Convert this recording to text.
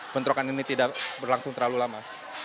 bentrokan ini tidak berlangsung terlalu lama